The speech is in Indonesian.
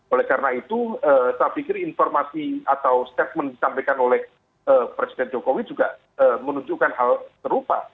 oleh karena itu saya pikir informasi atau statement disampaikan oleh presiden jokowi juga menunjukkan hal serupa